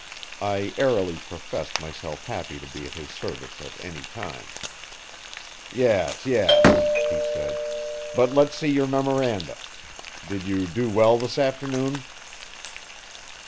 I airily professed myself happy to be at his service at any time. "Yes, yes," he said; "but let's see your memoranda. Did you do well this afternoon?"